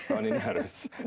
tahun ini harus